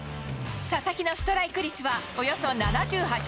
佐々木のストライク率は、およそ７８％。